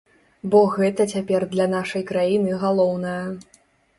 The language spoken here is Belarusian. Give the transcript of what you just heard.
Бо гэта цяпер для нашай краіны галоўнае.